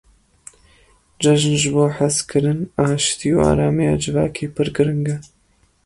Cejin ji bo hezkirin, aştî û aramiya civakê pir giring e.